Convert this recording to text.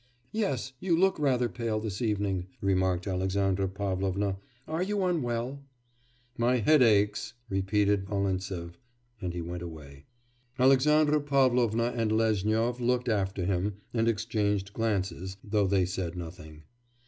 'Yes, you look rather pale this evening,' remarked Alexandra Pavlovna; 'are you unwell?' 'My head aches,' repeated Volintsev, and he went away. Alexandra Pavlovna and Lezhnyov looked after him, and exchanged glances, though they said nothing.